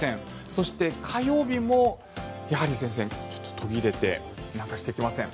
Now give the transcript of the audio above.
そして、火曜日も前線が途切れて南下してきません。